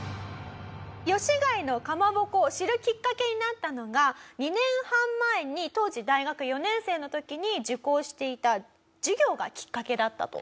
吉開のかまぼこを知るきっかけになったのが２年半前に当時大学４年生の時に受講していた授業がきっかけだったと。